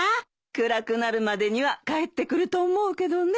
暗くなるまでには帰ってくると思うけどね。